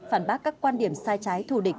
phản bác các quan điểm sai trái thù địch